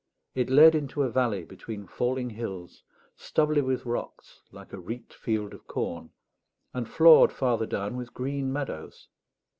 It led into a valley between falling hills, stubbly with rocks like a reaped field of corn, and floored farther down with green meadows.